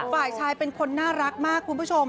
ฝ่ายชายเป็นคนน่ารักมากคุณผู้ชม